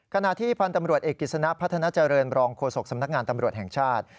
ขณะที่พันธ์ตำรวจเอกกิจสนะพัฒนาเจริญรองโฆษกสำนักงานตำรวจแห่งชาติ